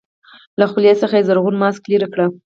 له خولې څخه يې زرغون ماسک لرې کړ.